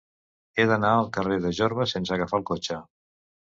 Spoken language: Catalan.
He d'anar al carrer de Jorba sense agafar el cotxe.